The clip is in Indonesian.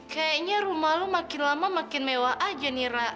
kayaknya rumah lo makin lama makin mewah aja nih ra